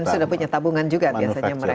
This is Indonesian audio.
dan sudah punya tabungan juga biasanya mereka